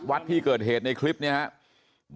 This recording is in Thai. วัดที่เกิดเหตุในคลิปนี้ครับ